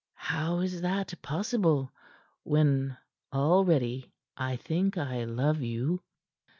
"How is that possible, when, already I think I love you."